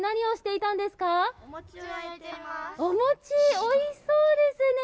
おいしそうですね。